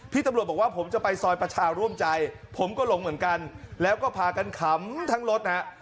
ตำรวจบอกว่าผมจะไปซอยประชาร่วมใจผมก็หลงเหมือนกันแล้วก็พากันขำทั้งรถฮะ